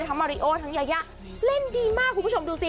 ทั้งมาริโอย์ทั้งแยยะเล่นดีมากคุณผู้ชมดูสิ